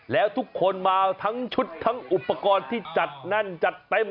แล้วทุกคนมาทั้งชุดทั้งอุปกรณ์ที่จัดแน่นจัดเต็ม